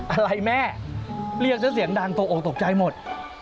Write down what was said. อะไรแม่เรียกซะเสียงดังตกออกตกใจหมด